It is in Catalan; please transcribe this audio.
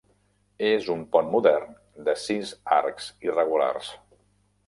És un pont modern de sis arcs irregulars.